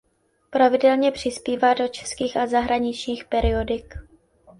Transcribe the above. Pravidelně přispívá do českých a zahraničních periodik.